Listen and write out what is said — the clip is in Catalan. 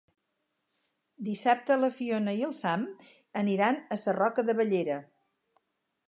Dissabte na Fiona i en Sam iran a Sarroca de Bellera.